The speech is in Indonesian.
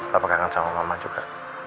papa kaget sama mama juga